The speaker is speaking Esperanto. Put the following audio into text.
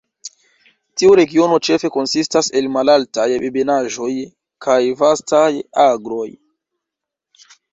Tiu regiono ĉefe konsistas el malaltaj ebenaĵoj kaj vastaj agroj.